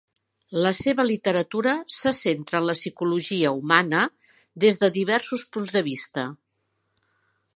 La seva literatura se centra en la psicologia humana des de diversos punts de vista.